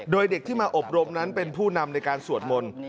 โดยเด็กที่มาอบรมนั้นเป็นผู้นำในการสวดมนต์